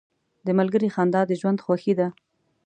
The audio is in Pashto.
• د ملګري خندا د ژوند خوښي ده.